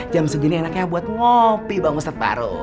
jam segini enaknya buat ngopi bang ustadz farouk